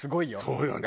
そうよね。